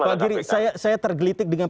pak giri saya tergelitik dengan